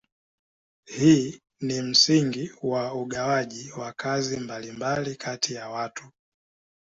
Hii ni msingi wa ugawaji wa kazi mbalimbali kati ya watu.